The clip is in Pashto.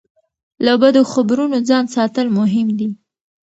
له بدو خبرونو ځان ساتل مهم دي.